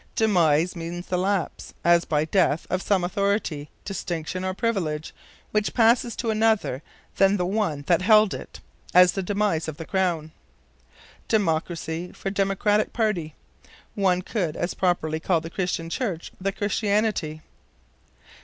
Demise means the lapse, as by death, of some authority, distinction or privilege, which passes to another than the one that held it; as the demise of the Crown. Democracy for Democratic Party. One could as properly call the Christian Church "the Christianity."